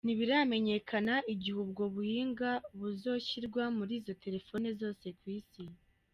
Ntibiramenyekana igihe ubwo buhinga buzoshirwa muri izo telefone zose kw'isi.